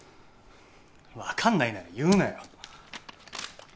分かんないなら言うなよ。